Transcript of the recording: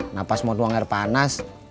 nah pas mau buang air panas